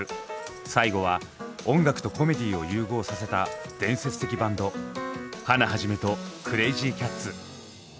最後は音楽とコメディーを融合させた伝説的バンドハナ肇とクレイジーキャッツ。